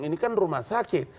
ini kan rumah sakit